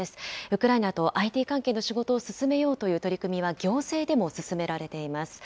ウクライナとＩＴ関係の仕事を進めようという取り組みは、行政でも進められています。